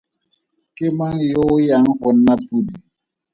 Ke mang yo o yang go nna podi?